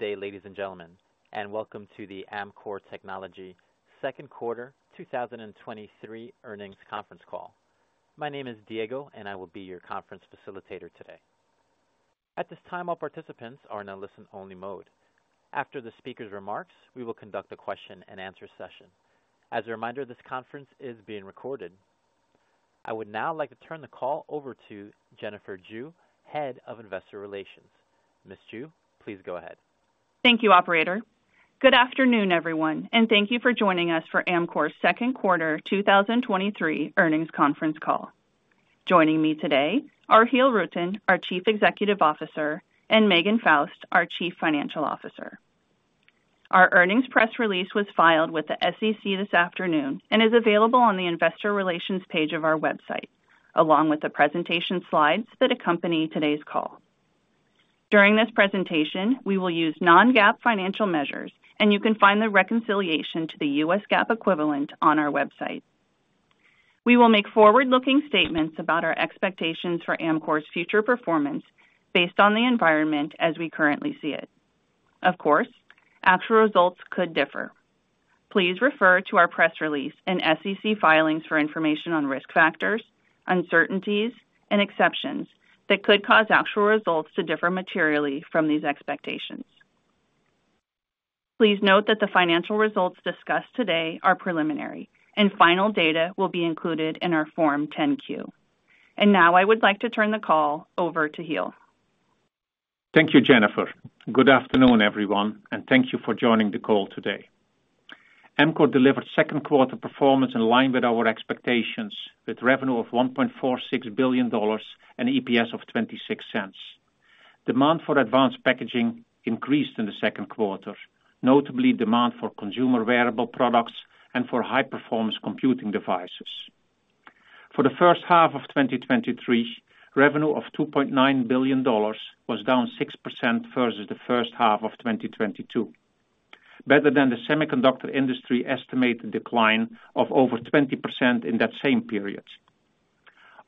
Good day, ladies and gentlemen, and welcome to the Amkor Technology second quarter 2023 earnings conference call. My name is Diego, and I will be your conference facilitator today. At this time, all participants are in a listen-only mode. After the speaker's remarks, we will conduct a question-and-answer session. As a reminder, this conference is being recorded. I would now like to turn the call over to Jennifer Jue, Head of Investor Relations. Miss Jue, please go ahead. Thank you, operator. Good afternoon, everyone, and thank you for joining us for Amkor's second quarter 2023 earnings conference call. Joining me today are Giel Rutten, our Chief Executive Officer, and Megan Faust, our Chief Financial Officer. Our earnings press release was filed with the SEC this afternoon and is available on the Investor Relations page of our website, along with the presentation slides that accompany today's call. During this presentation, we will use non-GAAP financial measures, and you can find the reconciliation to the U.S. GAAP equivalent on our website. We will make forward-looking statements about our expectations for Amkor's future performance based on the environment as we currently see it. Of course, actual results could differ. Please refer to our press release and SEC filings for information on risk factors, uncertainties, and exceptions that could cause actual results to differ materially from these expectations. Please note that the financial results discussed today are preliminary, and final data will be included in our Form 10-Q. Now I would like to turn the call over to Giel. Thank you, Jennifer. Good afternoon, everyone, and thank you for joining the call today. Amkor delivered second quarter performance in line with our expectations, with revenue of $1.46 billion and EPS of $0.26. Demand for advanced packaging increased in the second quarter, notably demand for consumer wearable products and for high-performance computing devices. For the first half of 2023, revenue of $2.9 billion was down 6% versus the first half of 2022, better than the semiconductor industry estimated decline of over 20% in that same period.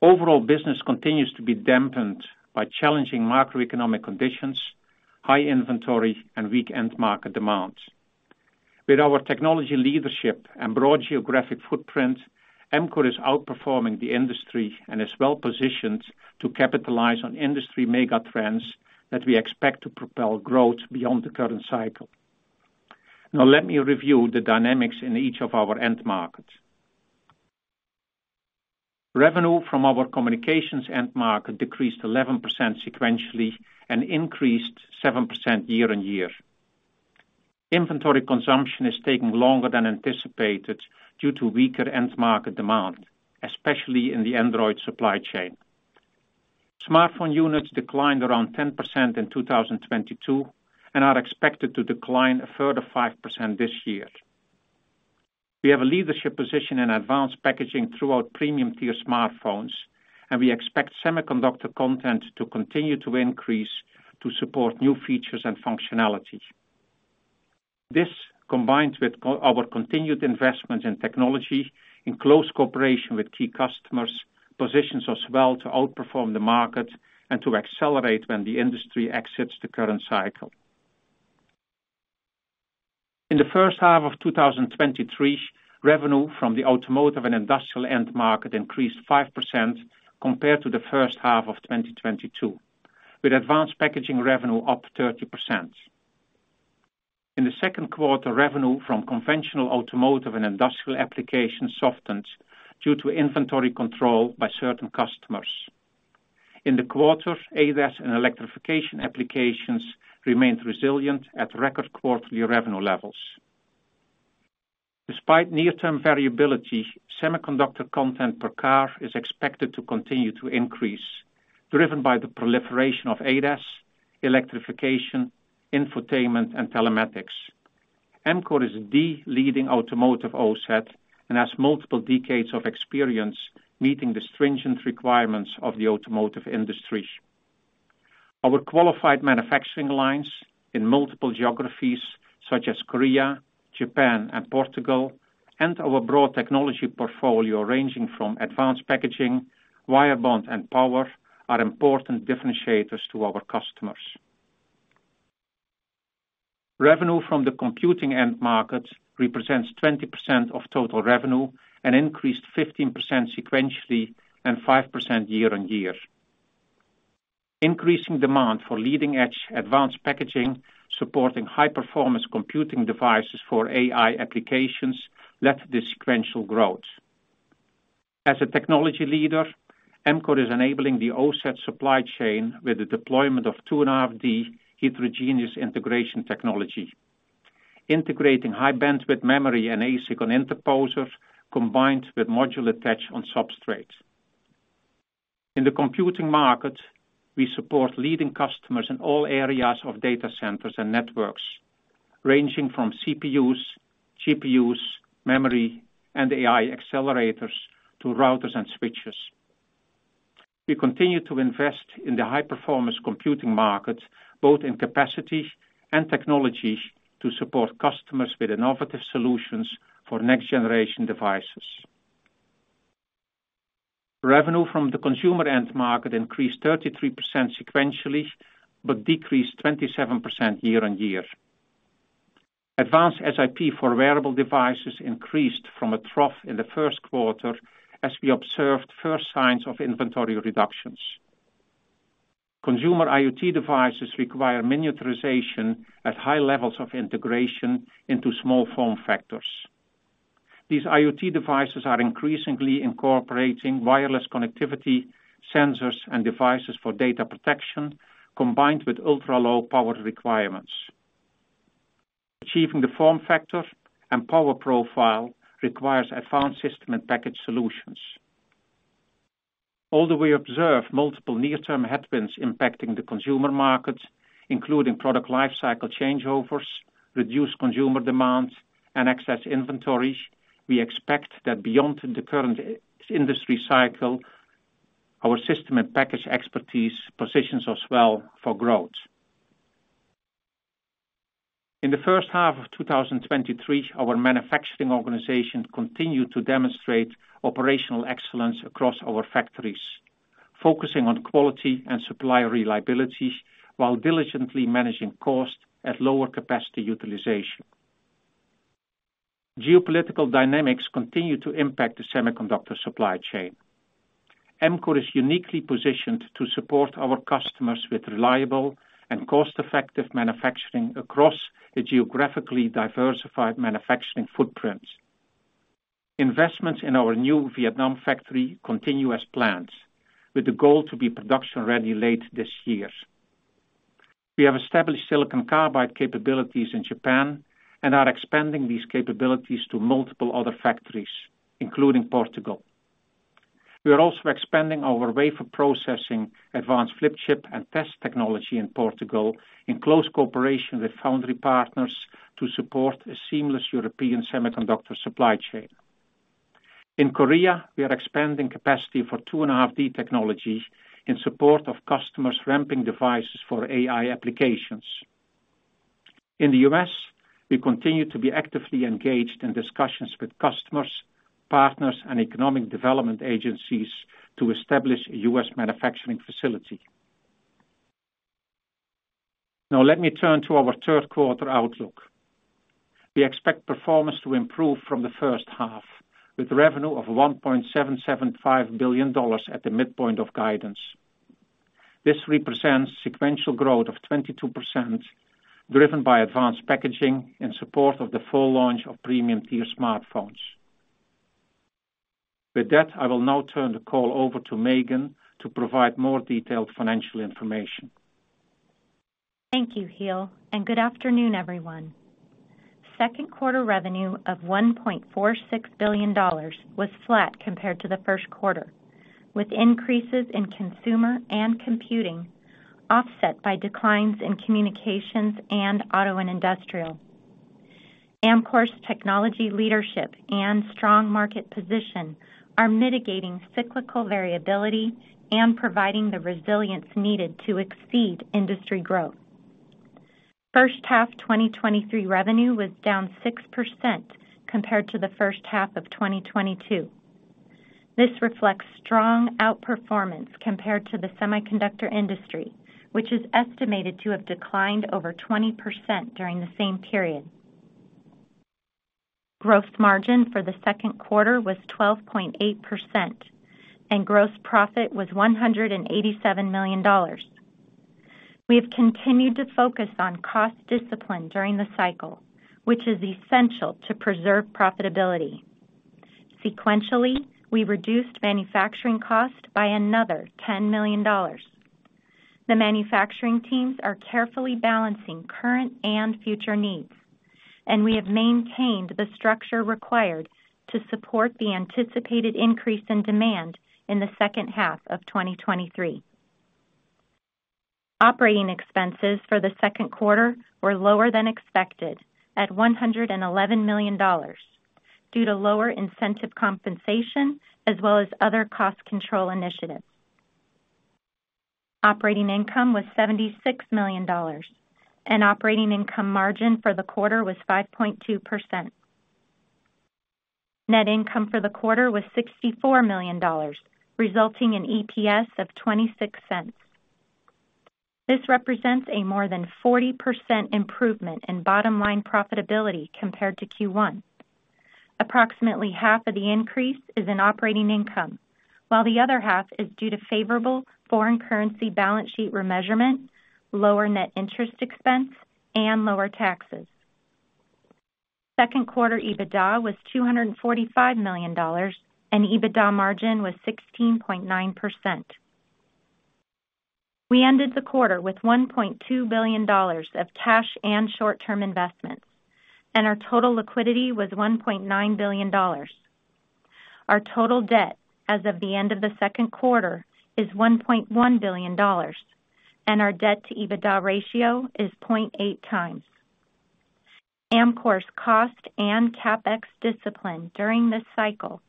Overall business continues to be dampened by challenging macroeconomic conditions, high inventory, and weak end market demand. With our technology leadership and broad geographic footprint, Amkor is outperforming the industry and is well-positioned to capitalize on industry mega trends that we expect to propel growth beyond the current cycle. Now, let me review the dynamics in each of our end markets. Revenue from our communications end market decreased 11% sequentially and increased 7% year-on-year. Inventory consumption is taking longer than anticipated due to weaker end market demand, especially in the Android supply chain. Smartphone units declined around 10% in 2022 and are expected to decline a further 5% this year. We have a leadership position in advanced packaging throughout premium-tier smartphones, and we expect semiconductor content to continue to increase to support new features and functionality. This, combined with our continued investment in technology, in close cooperation with key customers, positions us well to outperform the market and to accelerate when the industry exits the current cycle. In the first half of 2023, revenue from the automotive and industrial end market increased 5% compared to the first half of 2022, with advanced packaging revenue up 30%. In the second quarter, revenue from conventional automotive and industrial applications softened due to inventory control by certain customers. In the quarter, ADAS and electrification applications remained resilient at record quarterly revenue levels. Despite near-term variability, semiconductor content per car is expected to continue to increase, driven by the proliferation of ADAS, electrification, infotainment, and telematics. Amkor is the leading automotive OSAT and has multiple decades of experience meeting the stringent requirements of the automotive industry. Our qualified manufacturing lines in multiple geographies, such as Korea, Japan, and Portugal, and our broad technology portfolio, ranging from advanced packaging, wire bond, and power, are important differentiators to our customers. Revenue from the computing end market represents 20% of total revenue and increased 15% sequentially and 5% year-on-year. Increasing demand for leading-edge advanced packaging, supporting high-performance computing devices for AI applications, led the sequential growth. As a technology leader, Amkor is enabling the OSAT supply chain with the deployment of 2.5D heterogeneous integration technology, integrating high-bandwidth memory and ASIC on interposer, combined with module attach on substrates. In the computing market, we support leading customers in all areas of data centers and networks, ranging from CPUs, GPUs, memory, and AI accelerators to routers and switches. We continue to invest in the high-performance computing market, both in capacity and technology, to support customers with innovative solutions for next-generation devices. Revenue from the consumer end market increased 33% sequentially, decreased 27% year-on-year. Advanced SiP for wearable devices increased from a trough in the first quarter, as we observed first signs of inventory reductions. Consumer IoT devices require miniaturization at high levels of integration into small form factors. These IoT devices are increasingly incorporating wireless connectivity, sensors, and devices for data protection, combined with ultra-low power requirements. Achieving the form factor and power profile requires advanced system and package solutions. Although we observe multiple near-term headwinds impacting the consumer market, including product life cycle changeovers, reduced consumer demand, and excess inventory, we expect that beyond the current industry cycle, our system and package expertise positions us well for growth. In the first half of 2023, our manufacturing organization continued to demonstrate operational excellence across our factories, focusing on quality and supply reliability, while diligently managing costs at lower capacity utilization. Geopolitical dynamics continue to impact the semiconductor supply chain. Amkor is uniquely positioned to support our customers with reliable and cost-effective manufacturing across a geographically diversified manufacturing footprint. Investments in our new Vietnam factory continue as planned, with the goal to be production-ready late this year. We have established Silicon Carbide capabilities in Japan and are expanding these capabilities to multiple other factories, including Portugal. We are also expanding our wafer processing, advanced flip chip, and test technology in Portugal, in close cooperation with foundry partners to support a seamless European semiconductor supply chain. In Korea, we are expanding capacity for 2.5D technology in support of customers ramping devices for AI applications. In the U.S., we continue to be actively engaged in discussions with customers, partners, and economic development agencies to establish a U.S. manufacturing facility. Now let me turn to our third quarter outlook. We expect performance to improve from the first half, with revenue of $1.775 billion at the midpoint of guidance. This represents sequential growth of 22%, driven by advanced packaging in support of the full launch of premium-tier smartphones. With that, I will now turn the call over to Megan to provide more detailed financial information. Thank you, Giel, and good afternoon, everyone. Second quarter revenue of $1.46 billion was flat compared to the first quarter, with increases in consumer and computing, offset by declines in communications and auto and industrial. Amkor's technology leadership and strong market position are mitigating cyclical variability and providing the resilience needed to exceed industry growth. First half 2023 revenue was down 6% compared to the first half of 2022. This reflects strong outperformance compared to the semiconductor industry, which is estimated to have declined over 20% during the same period. Gross margin for the second quarter was 12.8%, and gross profit was $187 million. We have continued to focus on cost discipline during the cycle, which is essential to preserve profitability. Sequentially, we reduced manufacturing cost by another $10 million. The manufacturing teams are carefully balancing current and future needs, and we have maintained the structure required to support the anticipated increase in demand in the second half of 2023. Operating expenses for the second quarter were lower than expected, at $111 million, due to lower incentive compensation as well as other cost control initiatives. Operating income was $76 million, and operating income margin for the quarter was 5.2%. Net income for the quarter was $64 million, resulting in EPS of $0.26. This represents a more than 40% improvement in bottom-line profitability compared to Q1. Approximately half of the increase is in operating income, while the other half is due to favorable foreign currency balance sheet remeasurement, lower net interest expense, and lower taxes. Second quarter EBITDA was $245 million, and EBITDA margin was 16.9%. We ended the quarter with $1.2 billion of cash and short-term investments, and our total liquidity was $1.9 billion. Our total debt as of the end of the second quarter is $1.1 billion, and our debt-to-EBITDA ratio is 0.8x. Amkor's cost and CapEx discipline during this cycle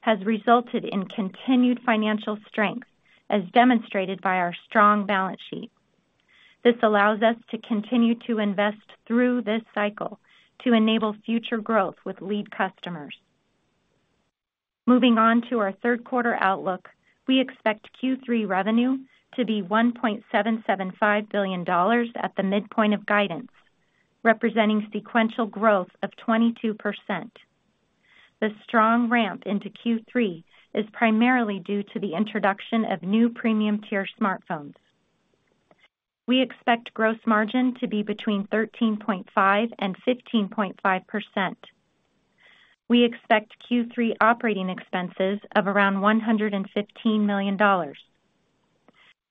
has resulted in continued financial strength, as demonstrated by our strong balance sheet. This allows us to continue to invest through this cycle to enable future growth with lead customers. Moving on to our third quarter outlook, we expect Q3 revenue to be $1.775 billion at the midpoint of guidance, representing sequential growth of 22%. The strong ramp into Q3 is primarily due to the introduction of new premium-tier smartphones. We expect gross margin to be between 13.5% and 15.5%. We expect Q3 operating expenses of around $115 million.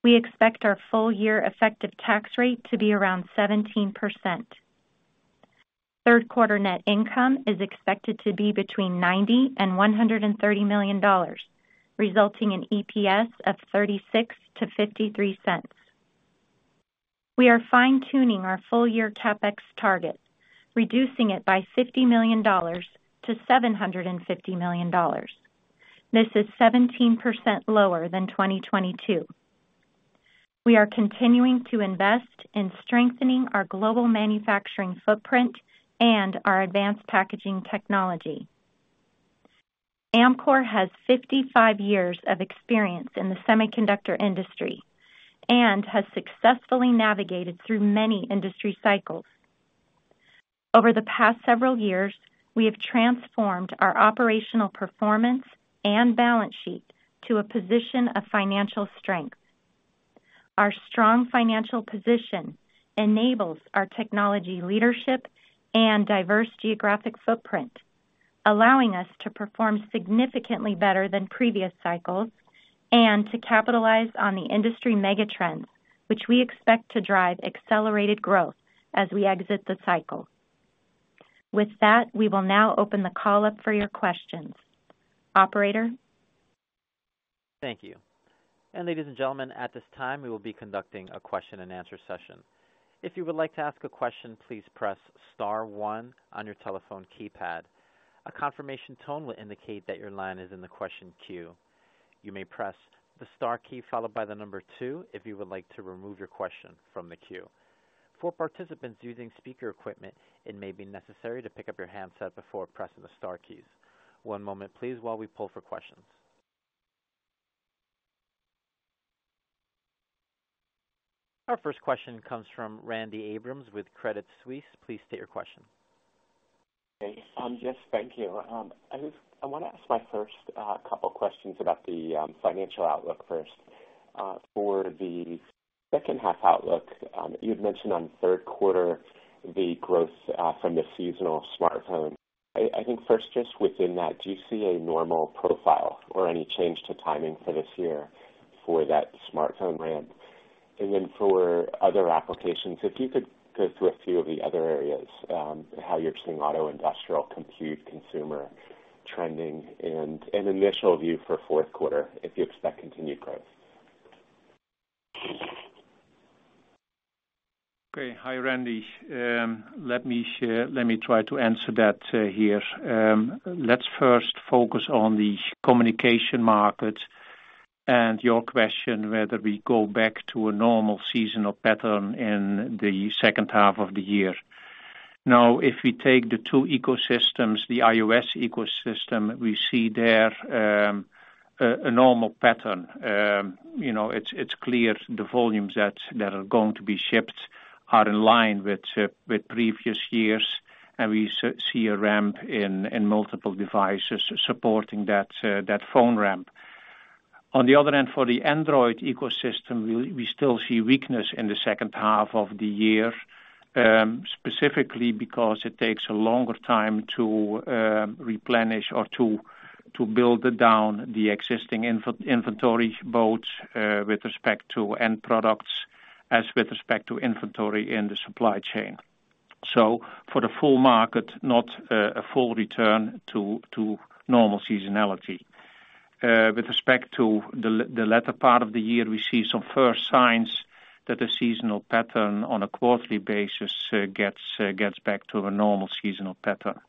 We expect our full-year effective tax rate to be around 17%. Third quarter net income is expected to be between $90 million and $130 million, resulting in EPS of $0.36-$0.53. We are fine-tuning our full-year CapEx target, reducing it by $50 million to $750 million. This is 17% lower than 2022. We are continuing to invest in strengthening our global manufacturing footprint and our advanced packaging technology. Amkor has 55 years of experience in the semiconductor industry and has successfully navigated through many industry cycles. Over the past several years, we have transformed our operational performance and balance sheet to a position of financial strength. Our strong financial position enables our technology leadership and diverse geographic footprint, allowing us to perform significantly better than previous cycles and to capitalize on the industry megatrends, which we expect to drive accelerated growth as we exit the cycle. With that, we will now open the call up for your questions. Operator? Thank you. Ladies and gentlemen, at this time, we will be conducting a question-and-answer session. If you would like to ask a question, please press star one on your telephone keypad. A confirmation tone will indicate that your line is in the question queue. You may press the star key followed by the number two, if you would like to remove your question from the queue. For participants using speaker equipment, it may be necessary to pick up your handset before pressing the star keys. One moment, please, while we pull for questions. Our first question comes from Randy Abrams with Credit Suisse. Please state your question. Hey, yes, thank you. I just want to ask my first couple questions about the financial outlook first. For the second half outlook, you had mentioned on the third quarter, the growth from the seasonal smartphone. I think first, just within that, do you see a normal profile or any change to timing for this year for that smartphone ramp? Then for other applications, if you could go through a few of the other areas, how you're seeing auto, industrial, compute, consumer trending, and an initial view for fourth quarter, if you expect continued growth. Okay. Hi, Randy. Let me try to answer that here. Let's first focus on the communication market and your question, whether we go back to a normal seasonal pattern in the second half of the year. If we take the two ecosystems, the iOS ecosystem, we see there a normal pattern. You know, it's clear the volumes that are going to be shipped are in line with previous years, and we see a ramp in multiple devices supporting that phone ramp. For the Android ecosystem, we, we still see weakness in the second half of the year, specifically because it takes a longer time to replenish or to, to build down the existing inventory, both with respect to end products, as with respect to inventory in the supply chain. For the full market, not a full return to normal seasonality. With respect to the latter part of the year, we see some first signs that the seasonal pattern, on a quarterly basis, gets back to a normal seasonal pattern.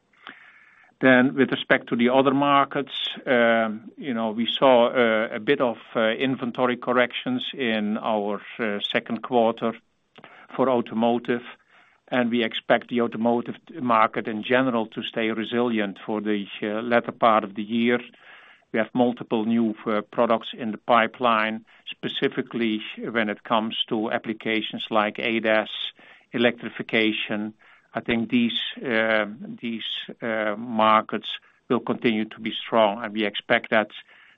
With respect to the other markets, you know, we saw a bit of inventory corrections in our second quarter for automotive, and we expect the automotive market, in general, to stay resilient for the latter part of the year. We have multiple new products in the pipeline, specifically when it comes to applications like ADAS, electrification. I think these these markets will continue to be strong, and we expect that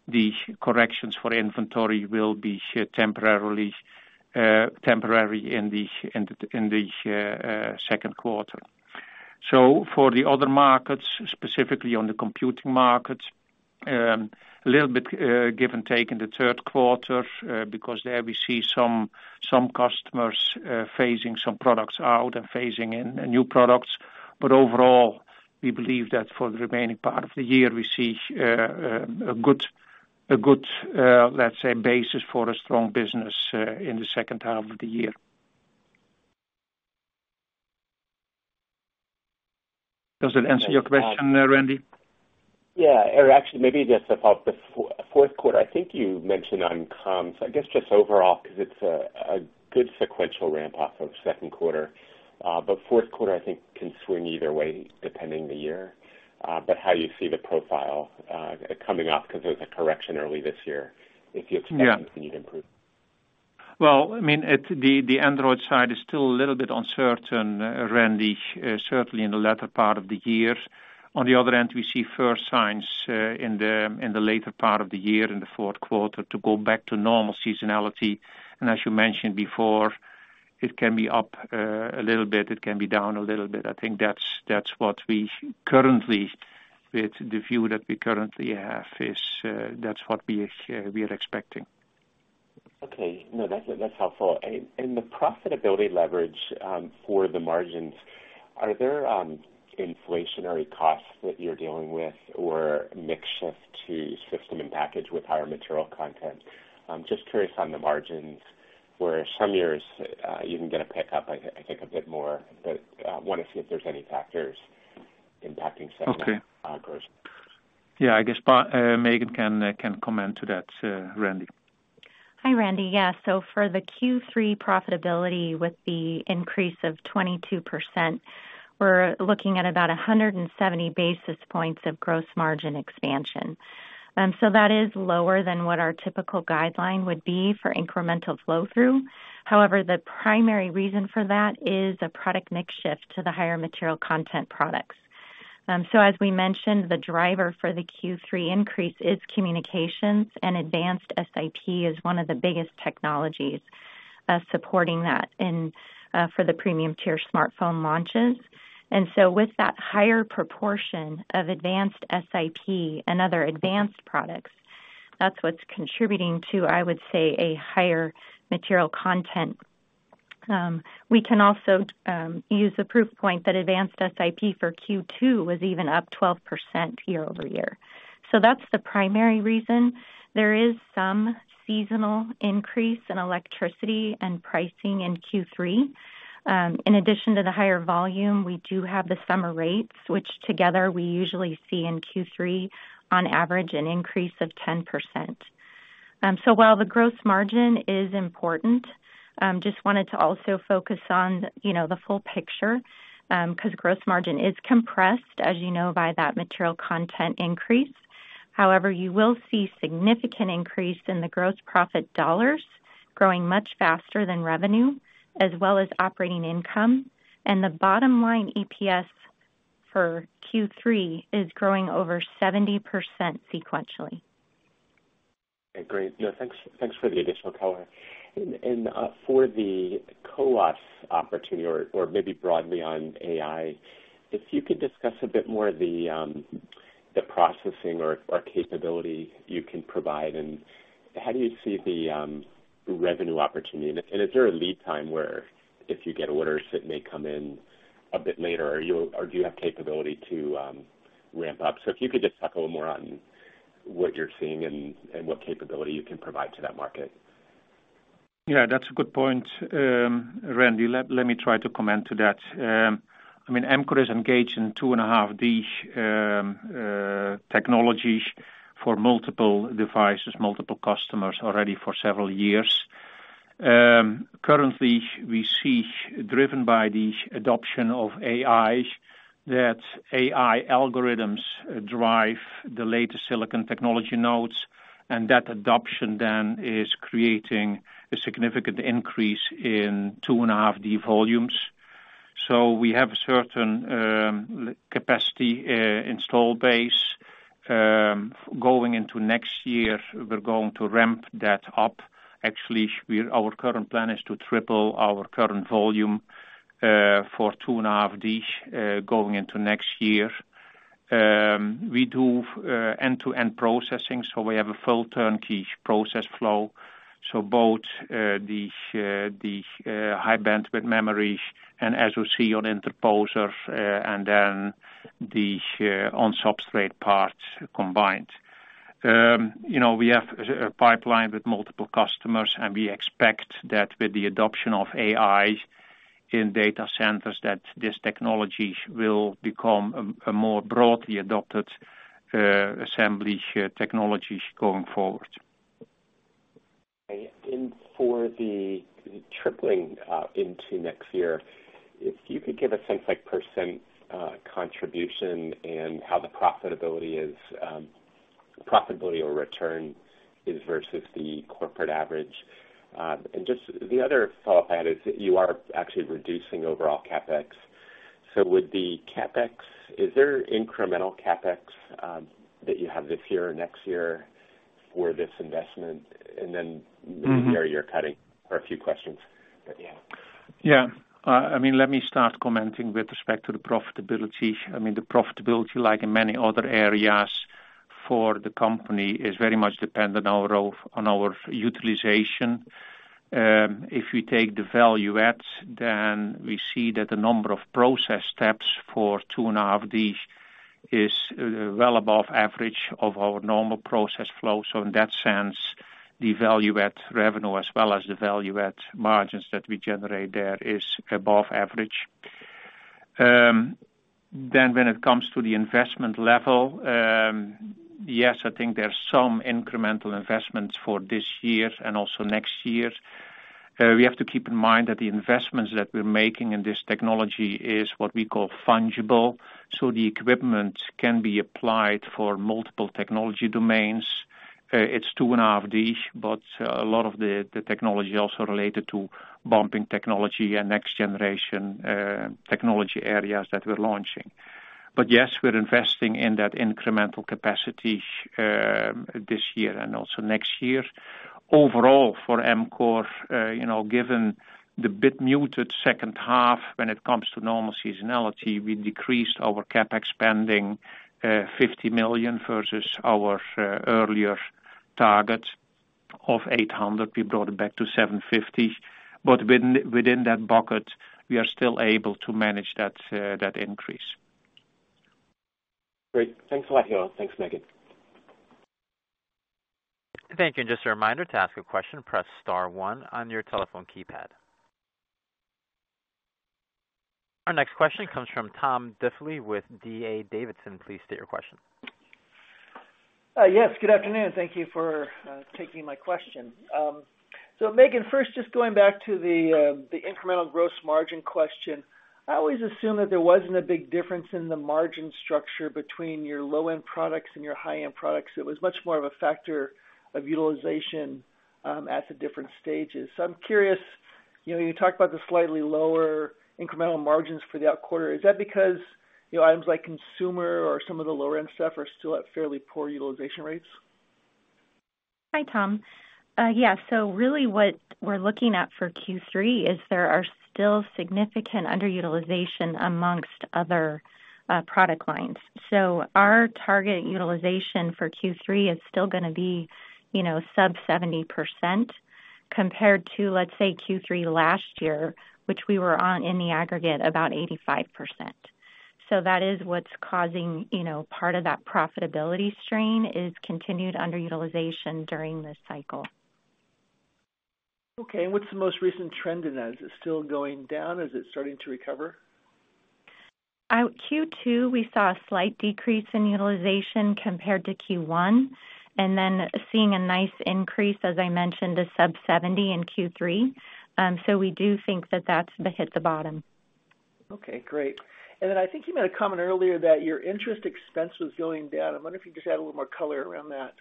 the corrections for inventory will be temporarily temporary in the in the in the second quarter. For the other markets, specifically on the computing markets, a little bit give and take in the third quarter, because there we see some some customers phasing some products out and phasing in new products. Overall, we believe that for the remaining part of the year, we see a good, let's say, basis for a strong business in the second half of the year. Does that answer your question, Randy? Yeah, or actually, maybe just about the fourth quarter. I think you mentioned on comms, I guess, just overall, because it's a good sequential ramp off of second quarter. Fourth quarter, I think, can swing either way, depending on the year. How do you see the profile, coming off? Because there's a correction early this year, if you expect- Yeah. Any improvement. Well, I mean, the Android side is still a little bit uncertain, Randy, certainly in the latter part of the year. On the other end, we see first signs, in the later part of the year, in the fourth quarter, to go back to normal seasonality. As you mentioned before, it can be up a little bit, it can be down a little bit. I think that's what we currently, with the view that we currently have, is, that's what we are expecting. Okay. No, that's helpful. The profitability leverage for the margins, are there inflationary costs that you're dealing with, or mix shift to System in Package with higher material content? Just curious on the margins, where some years, you can get a pickup, I, I think, a bit more, but want to see if there's any factors impacting segment- Okay. gross. Yeah, I guess, Megan can, can comment to that, Randy. Hi, Randy. For the Q3 profitability with the increase of 22%, we're looking at about 170 basis points of gross margin expansion. That is lower than what our typical guideline would be for incremental flow through. However, the primary reason for that is a product mix shift to the higher material content products. As we mentioned, the driver for the Q3 increase is communications, advanced SiP is one of the biggest technologies supporting that, for the premium tier smartphone launches. With that higher proportion of advanced SiP and other advanced products, that's what's contributing to, I would say, a higher material content. We can also use a proof point that advanced SiP for Q2 was even up 12% year-over-year. That's the primary reason. There is some seasonal increase in electricity and pricing in Q3. In addition to the higher volume, we do have the summer rates, which together, we usually see in Q3, on average, an increase of 10%. While the gross margin is important, just wanted to also focus on, you know, the full picture, because gross margin is compressed, as you know, by that material content increase. However, you will see significant increase in the gross profit dollars, growing much faster than revenue, as well as operating income, the bottom-line EPS for Q3 is growing over 70% sequentially. Okay, great. Yeah, thanks, thanks for the additional color. For the CoWoS opportunity, or maybe broadly on AI, if you could discuss a bit more the processing or capability you can provide, and how do you see the revenue opportunity? Is there a lead time where if you get orders, it may come in a bit later or do you have capability to ramp up? If you could just talk a little more on what you're seeing and what capability you can provide to that market. Yeah, that's a good point, Randy. Let me try to comment to that. I mean, Amkor is engaged in 2.5D technologies for multiple devices, multiple customers, already for several years. Currently, we see, driven by the adoption of AI, that AI algorithms drive the latest silicon technology nodes, and that adoption then is creating a significant increase in 2.5D volumes. We have a certain capacity install base. Going into next year, we're going to ramp that up. Actually, our current plan is to triple our current volume for 2.5D going into next year. We do end-to-end processing, we have a full turnkey process flow. Both, the, the, high-bandwidth memory, and ASIC on interposer, and then the, on substrate parts combined. You know, we have a, a pipeline with multiple customers, and we expect that with the adoption of AI in data centers, that this technology will become a, a more broadly adopted, assembly technologies going forward. For the tripling, into next year, if you could give a sense, like percent contribution and how the profitability is, profitability or return is versus the corporate average. Just the other follow up add is, you are actually reducing overall CapEx. Would the CapEx? Is there incremental CapEx that you have this year or next year for this investment? Mm-hmm. Where you're cutting? Are a few questions that you have. Yeah. I mean, let me start commenting with respect to the profitability. I mean, the profitability, like in many other areas for the company, is very much dependent on our utilization. If you take the value add, then we see that the number of process steps for 2.5D is well above average of our normal process flow. So in that sense, the value add revenue as well as the value add margins that we generate there is above average. Then when it comes to the investment level, yes, I think there are some incremental investments for this year and also next year. We have to keep in mind that the investments that we're making in this technology is what we call fungible, so the equipment can be applied for multiple technology domains. It's 2.5D, but a lot of the technology also related to bumping technology and next generation technology areas that we're launching. Yes, we're investing in that incremental capacity this year and also next year. Overall, for Amkor, you know, given the bit muted second half when it comes to normal seasonality, we decreased our CapEx spending $50 million versus our earlier target of $800 million. We brought it back to $750 million, within that bucket, we are still able to manage that increase. Great. Thanks a lot, Giel. Thanks, Megan. Thank you. Just a reminder, to ask a question, press star one on your telephone keypad. Our next question comes from Tom Diffley with D.A. Davidson. Please state your question. Yes, good afternoon. Thank you for taking my question. Megan, first, just going back to the incremental gross margin question. I always assumed that there wasn't a big difference in the margin structure between your low-end products and your high-end products. It was much more of a factor of utilization at the different stages. I'm curious, you know, you talked about the slightly lower incremental margins for that quarter. Is that because, you know, items like consumer or some of the lower-end stuff are still at fairly poor utilization rates? Hi, Tom. Yeah, really what we're looking at for Q3 is there are still significant underutilization amongst other product lines. Our target utilization for Q3 is still gonna be, you know, sub 70% compared to, let's say, Q3 last year, which we were on in the aggregate, about 85%. That is what's causing, you know, part of that profitability strain, is continued underutilization during this cycle. Okay, what's the most recent trend in that? Is it still going down? Is it starting to recover? Q2, we saw a slight decrease in utilization compared to Q1, and then seeing a nice increase, as I mentioned, to sub 70 in Q3. We do think that that's the hit the bottom. Okay, great. I think you made a comment earlier that your interest expense was going down. I wonder if you could just add a little more color around that.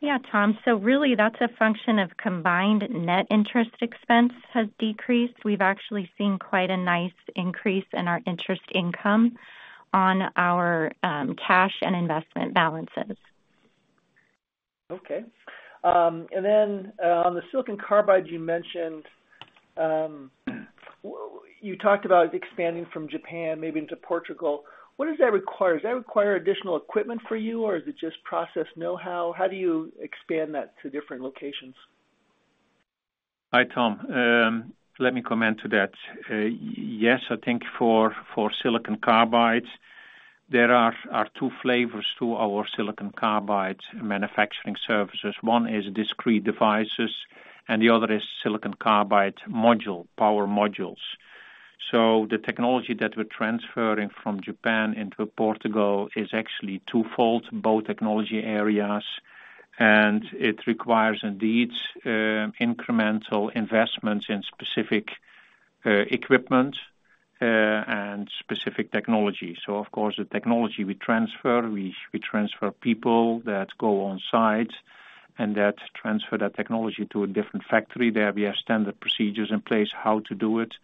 Yeah, Tom. Really, that's a function of combined net interest expense has decreased. We've actually seen quite a nice increase in our interest income on our cash and investment balances. Okay. Then, on the Silicon Carbide, you mentioned, you talked about expanding from Japan, maybe into Portugal. What does that require? Does that require additional equipment for you, or is it just process know-how? How do you expand that to different locations? Hi, Tom. Let me comment to that. Yes, I think for, for Silicon Carbide, there are two flavors to our Silicon Carbide manufacturing services. One is discrete devices, and the other is Silicon Carbide module, power modules. The technology that we're transferring from Japan into Portugal is actually twofold, both technology areas, and it requires, indeed, incremental investments in specific equipment, and specific technology. Of course, the technology we transfer, we transfer people that go on site and that transfer that technology to a different factory. There we have standard procedures in place, how to do it,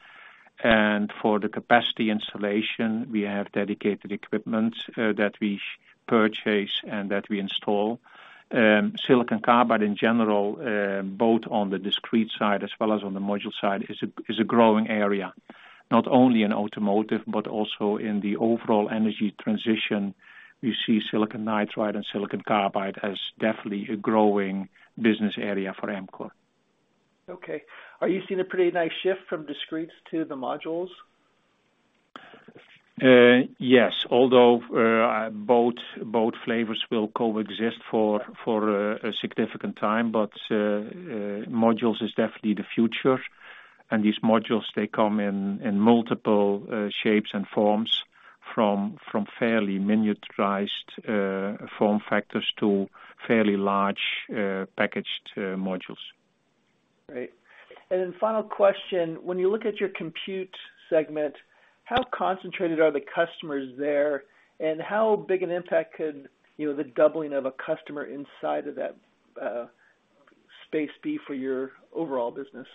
and for the capacity installation, we have dedicated equipment that we purchase and that we install. Silicon Carbide in general, both on the discrete side as well as on the module side, is a growing area, not only in automotive but also in the overall energy transition. We see silicon nitride and Silicon Carbide as definitely a growing business area for Amkor. Okay. Are you seeing a pretty nice shift from discrete to the modules? Yes, although, both flavors will coexist for, for, a significant time. Modules is definitely the future and these modules, they come in multiple shapes and forms from fairly miniaturized form factors to fairly large, packaged modules. Great. Final question: When you look at your compute segment, how concentrated are the customers there, and how big an impact could, you know, the doubling of a customer inside of that space be for your overall business?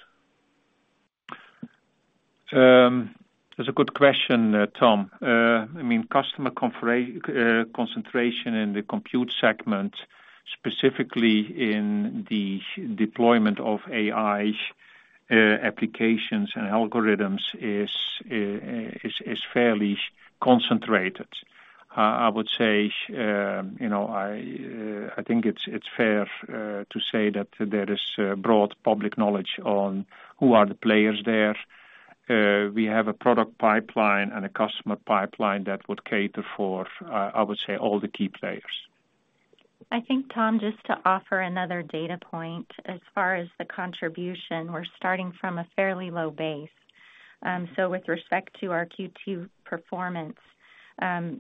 That's a good question, Tom. I mean, customer concentration in the compute segment, specifically in the deployment of AI applications and algorithms is fairly concentrated. I would say, you know, I think it's fair to say that there is broad public knowledge on who are the players there. We have a product pipeline and a customer pipeline that would cater for, I would say, all the key players. I think, Tom, just to offer another data point, as far as the contribution, we're starting from a fairly low base. With respect to our Q2 performance,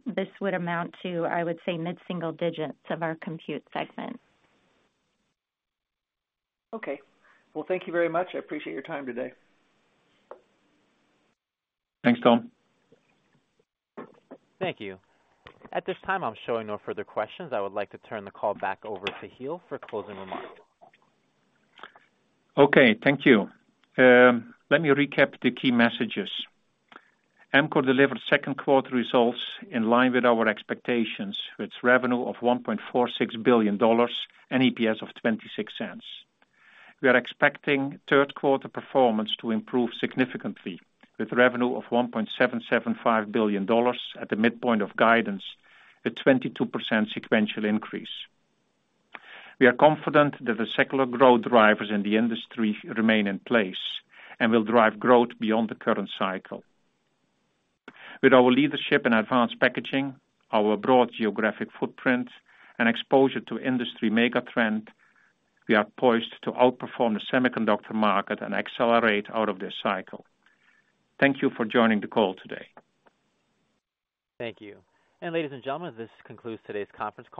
this would amount to, I would say, mid-single digits of our compute segment. Okay. Well, thank you very much. I appreciate your time today. Thanks, Tom. Thank you. At this time, I'm showing no further questions. I would like to turn the call back over to Giel for closing remarks. Okay, thank you. Let me recap the key messages. Amkor delivered second quarter results in line with our expectations, with revenue of $1.46 billion and EPS of $0.26. We are expecting third quarter performance to improve significantly, with revenue of $1.775 billion at the midpoint of guidance, a 22% sequential increase. We are confident that the secular growth drivers in the industry remain in place and will drive growth beyond the current cycle. With our leadership in advanced packaging, our broad geographic footprint, and exposure to industry megatrend, we are poised to outperform the semiconductor market and accelerate out of this cycle. Thank you for joining the call today. Thank you. Ladies and gentlemen, this concludes today's conference call.